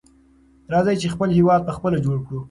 راځئ چې خپل هېواد په خپله جوړ کړو.